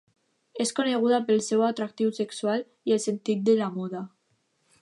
És coneguda pel seu atractiu sexual i el sentit de la moda.